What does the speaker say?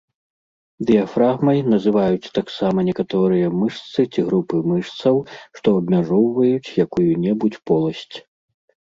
Дыяфрагмай называюць таксама некаторыя мышцы ці групы мышцаў, што абмяжоўваюць якую-небудзь поласць.